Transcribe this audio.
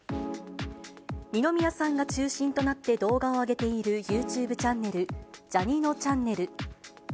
二宮さんが中心となって動画を上げているユーチューブチャンネル、ジャにのちゃんねる。